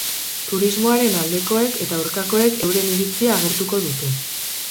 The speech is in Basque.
Turismoaren aldekoek eta aurkakoek euren iritzia agertuko dute.